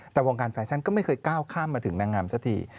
แต่วงการแฟชั่นก็ไม่เคยก้าวข้ามมาถึงนางงามสักที